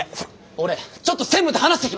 俺ちょっと専務と話してきます！